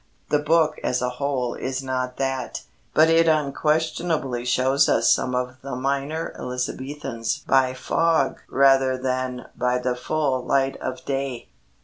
The book as a whole is not that. But it unquestionably shows us some of the minor Elizabethans by fog rather than by the full light of day.